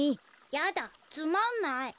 やだつまんない。